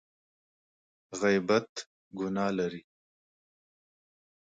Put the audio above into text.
غیبت ګناه لري !